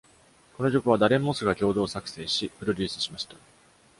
この曲は、ダレン・モスが共同作成し、プロデュースしました。